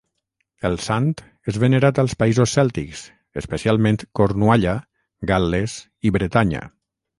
El sant és venerat als països cèltics, especialment Cornualla, Gal·les i Bretanya.